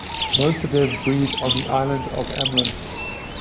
Most of them breed on the island of Amrum.